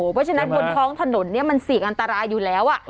เพราะฉะนั้นบนท้องถนนมันเสี่ยงอันตรายอยู่แล้ว